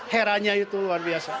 heranya itu luar biasa